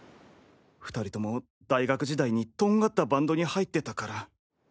２人とも大学時代にとんがったバンドに入ってたから。